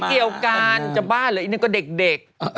ไม่เกี่ยวกันจะบ้าเลยนั่นก็เด็ก